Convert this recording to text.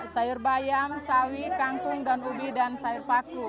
sayur bayam sawi kangkung dan ubi dan sayur paku